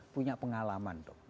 punya pengalaman dong